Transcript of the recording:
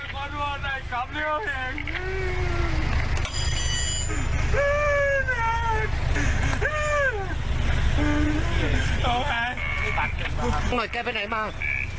พี่ชายไปไหนบ้าง